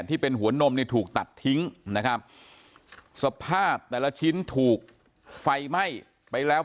ที่เป็นหัวนมเนี่ยถูกตัดทิ้งนะครับสภาพแต่ละชิ้นถูกไฟไหม้ไปแล้ว